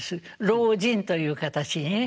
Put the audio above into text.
老人という形にね。